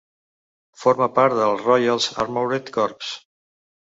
Forma part dels Royal Armoured Corps.